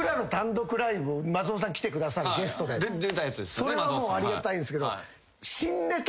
それはもうありがたいんすけど。